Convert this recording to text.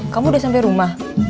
kamu udah sampe rumah